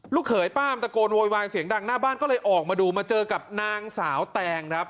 เขยป้ามตะโกนโวยวายเสียงดังหน้าบ้านก็เลยออกมาดูมาเจอกับนางสาวแตงครับ